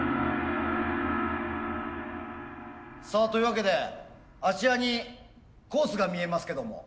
さあというわけであちらにコースが見えますけども。